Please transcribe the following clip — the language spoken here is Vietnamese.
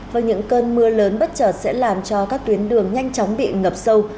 với những cơn mưa lớn bất chợt sẽ làm cho các tuyến đường nhanh chóng bị ngập sâu